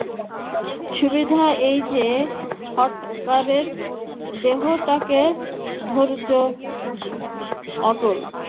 সুবিধা এই যে, ইটকাঠের দেহটাতে ধৈর্য অটল।